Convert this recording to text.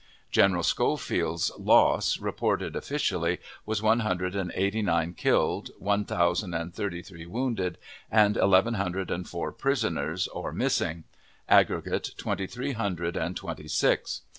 General Schofields lose, reported officially, was one hundred and eighty nine killed, one thousand and thirty three wounded, and eleven hundred and four prisoners or missing: aggregate, twenty three hundred and twenty six.